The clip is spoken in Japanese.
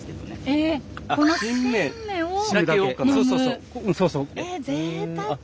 えっぜいたく。